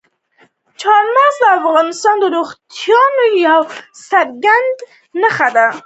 چار مغز د افغانستان د زرغونتیا یوه څرګنده نښه ده.